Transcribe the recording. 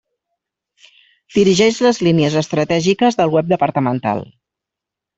Dirigeix les línies estratègiques del web departamental.